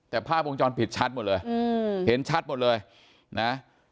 แต่ภาพวงจรปิดชัดหมดเลยเห็นชัดหมดเลยนะ